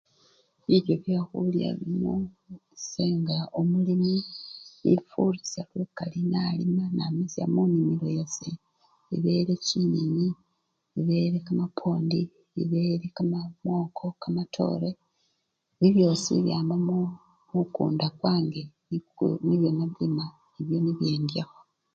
Bilyo bekhulya bino ese nga omulimi nalima namisya munimilo yase, ebele chinyeni, ebele kamapwondi, ebele ka! mwoko, kamatore, ebyo byosi byama mu! mumukunda kwange nikwo! nibyo nalima nibyo nibyo endyakho.